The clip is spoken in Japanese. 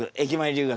留学。